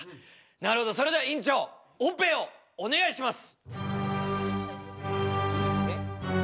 なるほどそれでは院長オペをお願いします。